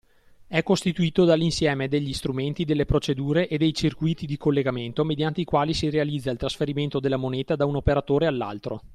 È costituito dall’insieme degli strumenti, delle procedure e dei circuiti di collegamento mediante i quali si realizza il trasferimento della moneta da un operatore all’ altro.